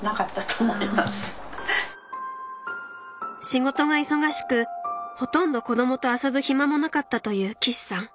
仕事が忙しくほとんど子供と遊ぶ暇もなかったという岸さん。